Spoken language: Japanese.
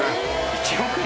１億円！？